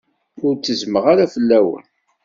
Ur ttezzmeɣ fell-awen.